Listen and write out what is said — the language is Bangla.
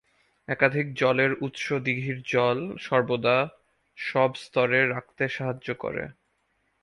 একাধিক জলের উৎস দিঘির জল সর্বদা সব স্তরে রাখতে সাহায্য করে।